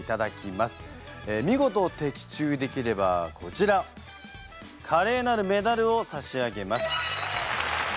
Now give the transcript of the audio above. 見事的中できればこちらカレーなるメダルを差し上げます。